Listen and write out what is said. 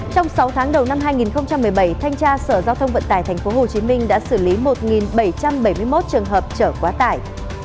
trong sáu tháng đầu năm hai nghìn một mươi bảy thanh tra sở giao thông vận tải tp hcm đã xử lý một bảy trăm bảy mươi một trường hợp trở quá tải